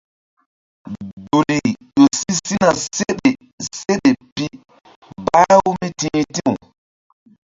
Duli ƴo si sina seɗe seɗe pi bah-u mí ti̧h ti̧w.